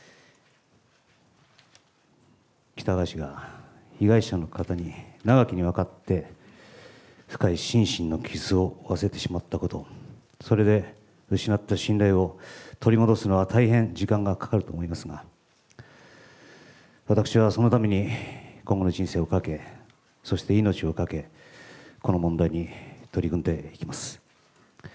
喜多川氏が被害者の方に長きにわたって深い心身の傷を負わせてしまったこと、それで失った信頼を取り戻すのは大変時間がかかると思いますが、私はそのために、今後の人生をかけ、そして命をかけ、この問題に取り組んでいきます。